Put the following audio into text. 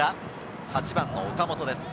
８番・岡本です。